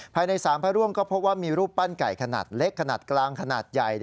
ภายในสารพระร่วงก็พบว่ามีรูปปั้นไก่ขนาดเล็กขนาดกลางขนาดใหญ่